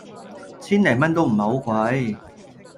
千零蚊都唔係好貴